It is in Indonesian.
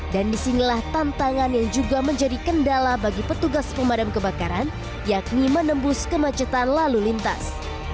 dan disinilah tantangan yang juga menjadi kendala bagi petugas pemadam kebakaran yakni menembus kemacetan lalu lintas